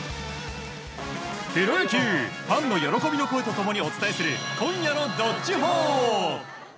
プロ野球ファンの喜びの声と共にお伝えする今夜の「＃どっちほー」。